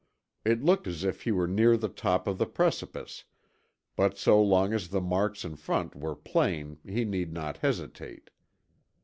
It looked as if he were near the top of the precipice, but so long as the marks in front were plain he need not hesitate.